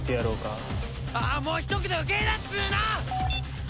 あもう一言余計だっつうの！